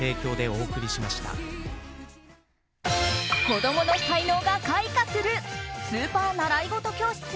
子供の才能が開花するスーパー習い事教室。